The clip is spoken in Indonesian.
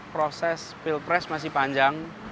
proses pilpres masih panjang